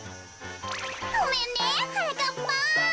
ごめんねはなかっぱん。